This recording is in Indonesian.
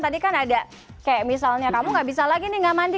tadi kan ada kayak misalnya kamu gak bisa lagi nih nggak mandi